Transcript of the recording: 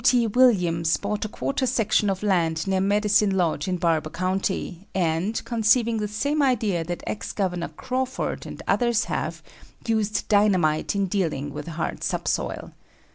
T. Williams bought a quarter section of land near Medicine Lodge in Barber County, and, conceiving the same idea that Ex Governor Crawford and others have, used dynamite in dealing with a hard subsoil.